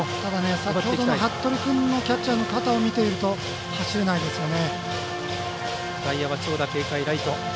先ほどの服部君のキャッチャーの肩を見ていると走れないですよね。